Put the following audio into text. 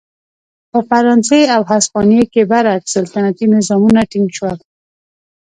په فرانسې او هسپانیې کې برعکس سلطنتي نظامونه ټینګ شول.